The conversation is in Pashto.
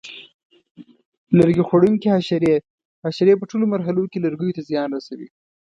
لرګي خوړونکي حشرې: حشرې په ټولو مرحلو کې لرګیو ته زیان رسوي.